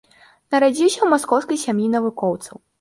Нарадзіўся ў маскоўскай сям'і навукоўцаў.